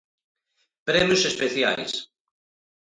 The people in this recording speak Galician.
Premios Especiais.